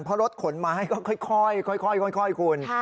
เพราะรถขนไม้ก็ค่อยคุณ